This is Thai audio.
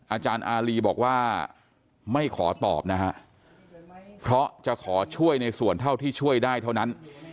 อาจารย์อารีบอกว่าไม่ขอตอบนะฮะเพราะจะขอช่วยในส่วนเท่าที่ช่วยได้เท่านั้น